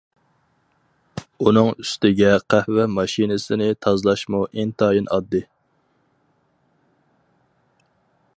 ئۇنىڭ ئۈستىگە قەھۋە ماشىنىسىنى تازىلاشمۇ ئىنتايىن ئاددىي.